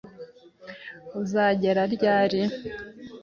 Uzagera ryari?